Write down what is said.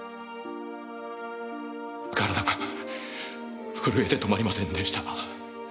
体が震えて止まりませんでした。